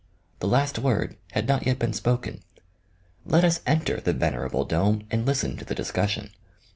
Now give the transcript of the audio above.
The last word had not yet been spoken. L,et us enter the venerable dome and listen to the discussion.